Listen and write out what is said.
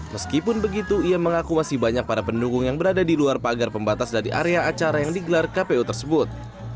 meskipun begitu ia mengaku masih banyak para pendukung yang berada di luar pagar pembatas dari area acara yang digelar kpu tersebut